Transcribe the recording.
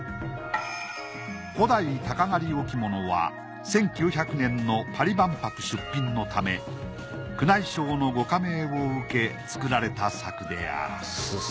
『古代鷹狩置物』は１９００年のパリ万博出品のため宮内省のご下命を受け作られた作である。